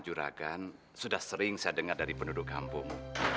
juragan sudah sering saya dengar dari penduduk kampung